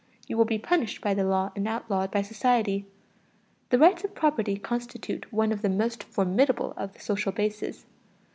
You will be punished by the law and outlawed by society. The rights of property constitute one of the most formidable of the social bases.